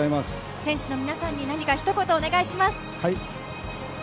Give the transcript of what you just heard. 選手の皆さんに何か一言お願いします。